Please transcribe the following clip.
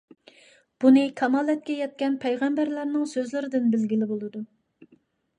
بۇنى كامالەتكە يەتكەن پەيغەمبەرلەرنىڭ سۆزلىرىدىن بىلگىلى بولىدۇ.